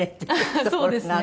そうですね。